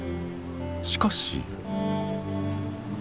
しかし。